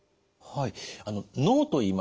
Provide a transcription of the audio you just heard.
はい。